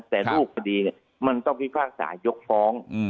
แต่รูปคดีมันต้องพิพากษายกฟ้อง